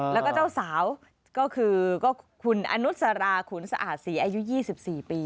แล้วก็เจ้าสาวก็คือคุณอนุสราขุนสะอาดศรีอายุ๒๔ปี